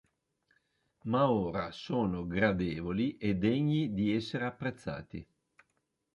Ma ora sono gradevoli, e degni di essere apprezzati.